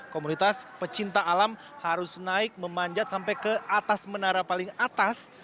komunitas pecinta alam harus naik memanjat sampai ke atas menara paling atas